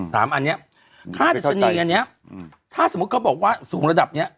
อันเนี้ยค่าดัชนีอันเนี้ยอืมถ้าสมมุติเขาบอกว่าสูงระดับเนี้ย